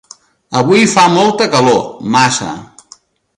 Avui fa molta calor, massa.